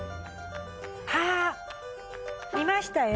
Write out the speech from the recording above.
ああ見ましたよ。